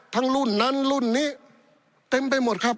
รุ่นนั้นรุ่นนี้เต็มไปหมดครับ